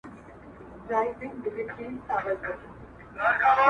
څه ژرنده پڅه وه، څه غنم لانده وه.